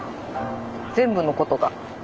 全部のことが。